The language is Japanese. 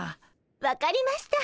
分かりました。